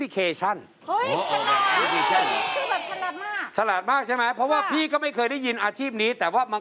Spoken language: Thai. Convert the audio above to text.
คุณทำอาหารได้ทุกอย่างจริงหรือเปล่า